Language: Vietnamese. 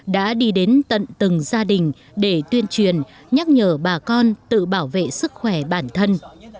đã đi đến tận từng gia đình để tuyên truyền nhắc nhở bà con tự bảo vệ sức khỏe bản thân